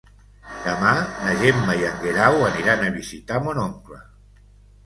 Demà na Gemma i en Guerau aniran a visitar mon oncle.